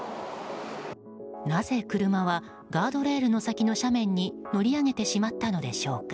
なぜ車はガードレールの先の斜面に乗り上げてしまったのでしょうか。